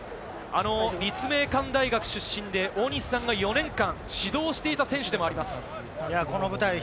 立命館大学出身で大西さんが４年間指導していた選手でもあります。